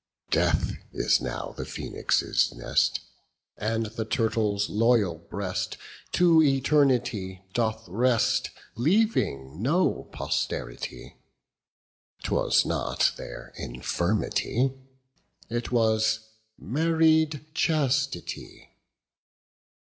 55 Death is now the phoenix' nest; And the turtle's loyal breast To eternity doth rest, Leaving no posterity: 'Twas not their infirmity, 60 It was married chastity.